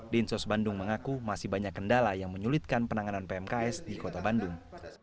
dinsos bandung mengaku masih banyak kendala yang menyulitkan penanganan pmks di kota bandung